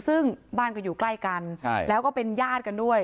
ซึ่งบ้านก็อยู่ใกล้กันแล้วก็เป็นญาติกันด้วย